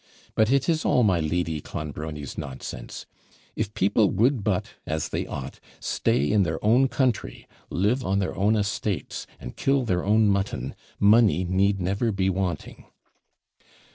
But it is all my Lady Clonbrony's nonsense. If people would but, as they ought, stay in their own country, live on their own estates, and kill their own mutton, money need never be wanting.'